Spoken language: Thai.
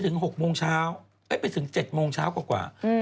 สูงสุดก็๓๐องศา